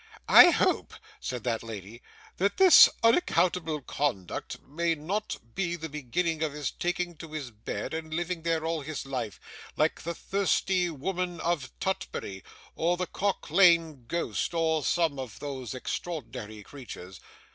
'I hope,' said that lady, 'that this unaccountable conduct may not be the beginning of his taking to his bed and living there all his life, like the Thirsty Woman of Tutbury, or the Cock lane Ghost, or some of those extraordinary creatures.